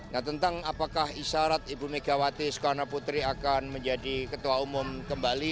nah tentang apakah isyarat ibu megawati soekarno putri akan menjadi ketua umum kembali